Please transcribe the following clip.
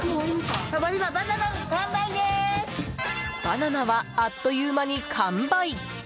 バナナはあっという間に完売！